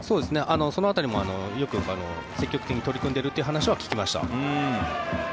その辺りもよく積極的に取り組んでいるという話は聞きました。